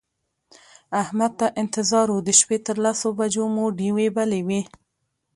احمد ته انتظار و د شپې تر لسو بجو مو ډېوې بلې وې.